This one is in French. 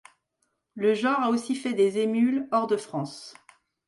Le genre a aussi fait des émules hors de France.